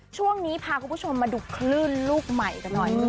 ช่วงนี้พาคุณผู้ชมมาดูคลื่นลูกใหม่กันหน่อย